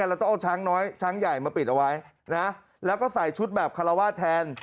แล้วต้องเอาช้างน้อยช้างใหญ่มาปิดเอาไว้นะแล้วก็ใส่ชุดแบบคาราวาสแทน